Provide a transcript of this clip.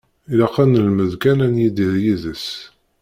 Ilaq ad nelmed kan ad nidir yis-s.